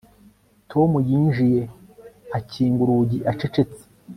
Tom yinjiye akinga urugi acecetse